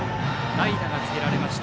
代打が告げられました。